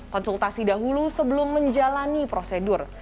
konsultasi dahulu sebelum menjalani prosedur